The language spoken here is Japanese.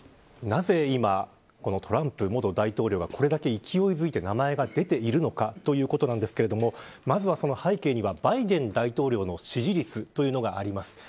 なぜ今、トランプ元大統領がこれだけ勢いづいて名前が出ているのかということですがまずは、その背景にバイデン大統領の支持率というのがあります。